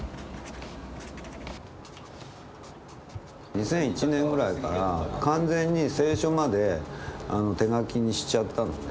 ２００１年ぐらいから完全に清書まで手書きにしちゃったのね。